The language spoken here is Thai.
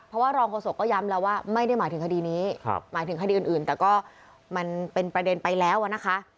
เพราะว่ารองโฆษกก็ย้ำแล้วว่าไม่ได้หมายถึงคดีนี้หมายถึงคดีอื่นแต่ก็มันเป็นประเด็นไปแล้วนะคะ